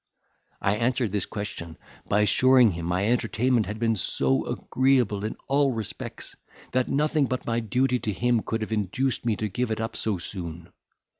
I answered this question, by assuring him my entertainment had been so agreeable in all respects, that nothing but my duty to him could have induced me to give it up so soon.